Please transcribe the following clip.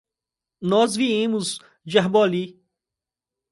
Nós viemos de Arbolí.